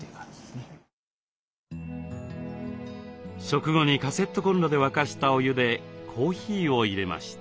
食後にカセットコンロで沸かしたお湯でコーヒーをいれました。